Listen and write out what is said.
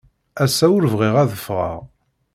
Ass-a ur bɣiɣ ad ffɣeɣ.